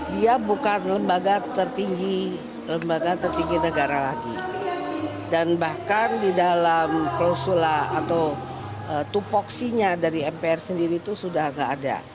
dia bukan lembaga tertinggi lembaga tertinggi negara lagi dan bahkan di dalam klosula atau tupoksinya dari mpr sendiri itu sudah tidak ada